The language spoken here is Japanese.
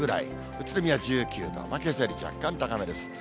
宇都宮１９度、けさより若干高めです。